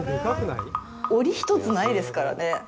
おり一つないですからね。